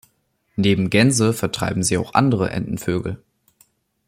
Neben Gänse vertreiben sie auch andere Entenvögel.